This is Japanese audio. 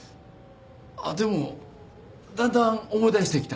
あっでもだんだん思い出してきた。